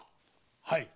はい。